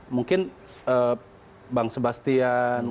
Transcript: mungkin bang sebastian